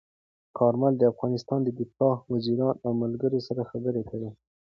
کارمل د افغانستان د دفاع وزیرانو او ملګرو سره خبرې کړي.